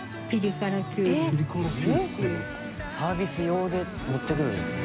高橋）サービス用で持ってくるんですね。